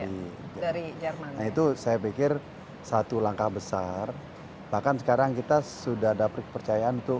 dari jerman itu saya pikir satu langkah besar bahkan sekarang kita sudah dapet percayaan untuk